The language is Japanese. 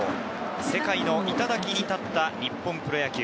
世界の頂に立った日本プロ野球。